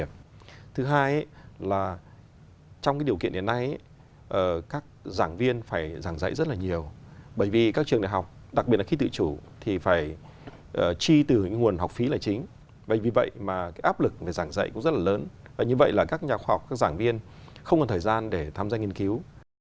như vậy là các nhà khoa học các giảng viên không cần thời gian để tham gia nghiên cứu